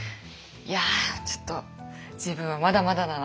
いやちょっと自分はまだまだだな。